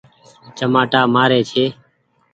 چمآٽآ مآري ڇي۔